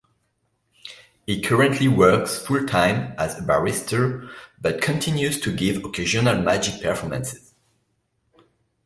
He currently works full-time as a barrister, but continues to give occasional magic performances.